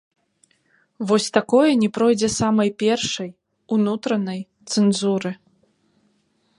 Вось такое не пройдзе самай першай, унутранай, цэнзуры.